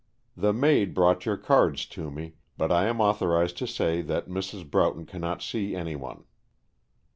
"The maid brought your cards to me, but I am authorized to say that Mrs. Broughton cannot see anyone."